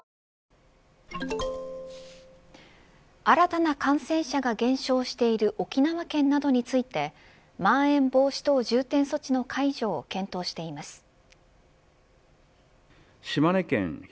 ＪＴ新たな感染者が減少している沖縄県などについてまん延防止等重点措置の解除を検討しています。